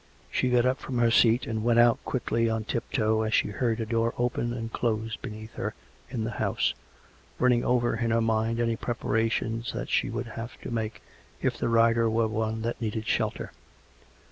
She got up from her seat and went out quickly on tip toe as she heard a door open and close beneath her in the house, running over in her mind any preparations that she would have to make if the rider were one that needed shelter.